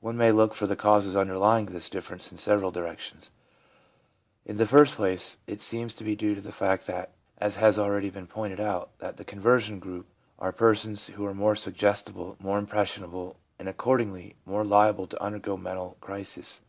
One may look for the causes underlying this difference in several directions. In the first place, it seems to be due to the fact, as has already been pointed out, that the conversion group are persons who are more suggestible, more impressionable, and, accordingly, more liable to undergo mental crises.